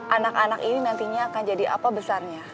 anak anak ini nantinya akan jadi apa besarnya